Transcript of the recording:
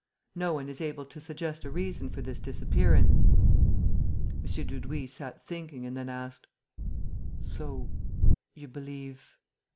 No one is able to suggest a reason for this disappearance." M. Dudouis sat thinking and then asked: "So ... you believe